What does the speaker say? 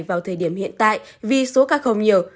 vào thời điểm hiện tại vì số ca không nhiều